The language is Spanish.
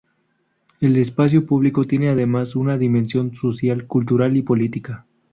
El espacio público tiene además una dimensión social, cultural y política.